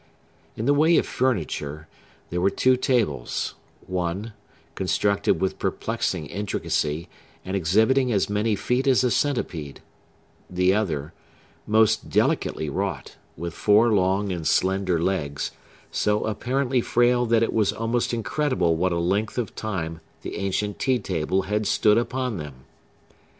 In the way of furniture, there were two tables: one, constructed with perplexing intricacy and exhibiting as many feet as a centipede; the other, most delicately wrought, with four long and slender legs, so apparently frail that it was almost incredible what a length of time the ancient tea table had stood upon them.